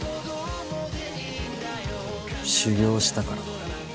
修業したから。